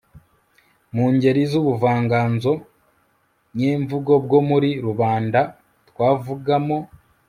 mu ngeri z'ubuvanganzo nyemvugo bwo muri rubanda twavugamo